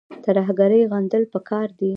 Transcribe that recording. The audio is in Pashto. ترهګري غندل پکار دي